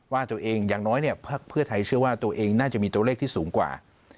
ว่าตัวเองอย่างน้อยเนี่ยพักเพื่อไทยเชื่อว่าตัวเองน่าจะมีตัวเลขที่สูงกว่า